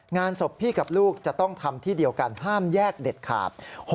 งานศพพี่กับลูกจะต้องทำที่เดียวกันห้ามแยกเด็ดขาด